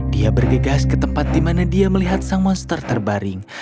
dia bergegas ke tempat di mana dia melihat sang monster terbaring